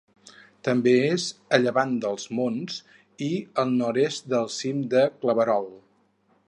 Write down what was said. També és a llevant dels Monts i al nord-est del cim de Claverol.